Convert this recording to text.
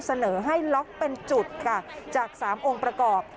เสนอให้ล็อกเป็นจุดค่ะจาก๓องค์ประกอบ